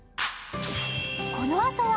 このあとは